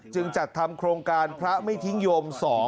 จัดทำโครงการพระไม่ทิ้งโยม๒